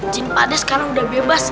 jin pak d sekarang sudah bebas